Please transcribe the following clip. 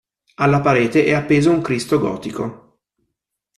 Alla parete è appeso un Cristo gotico.